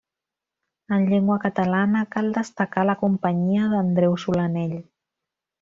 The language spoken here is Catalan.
En llengua catalana, cal destacar la companyia d'Andreu Solanell.